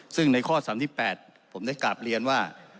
ซึ่งในข้อ๓๘ผมได้กราบเรียนว่า